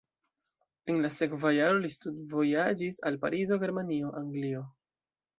En la sekva jaro li studvojaĝis al Parizo, Germanio, Anglio.